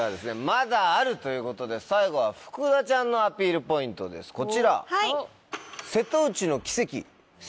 まだあるということで最後は福田ちゃんのアピールポイントですこちら。